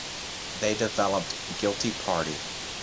They developed "Guilty Party".